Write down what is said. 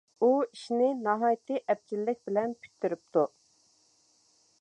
ئۇ ئىشنى ناھايىتى ئەپچىللىك بىلەن پۈتتۈرۈپتۇ.